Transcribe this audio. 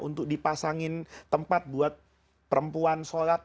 untuk dipasangin tempat buat perempuan sholat